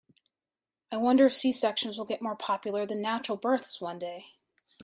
I wonder if C-sections will get more popular than natural births one day.